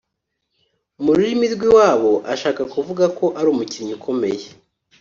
mu rurimi rw’iwabo ashaka kuvuga ko ari umukinnyi ukomeye